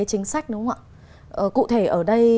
chính sách đúng không ạ cụ thể ở đây